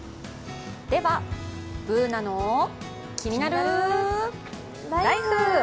では、「ＢｏｏｎａのキニナルＬＩＦＥ」。